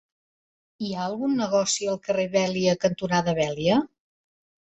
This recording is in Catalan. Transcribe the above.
Hi ha algun negoci al carrer Vèlia cantonada Vèlia?